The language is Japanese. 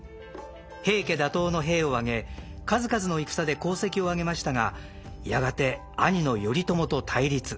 平家打倒の兵を挙げ数々の戦で功績をあげましたがやがて兄の頼朝と対立。